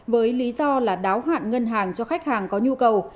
với lý do là đáo hạn ngân hàng cho khách hàng có nhu cầu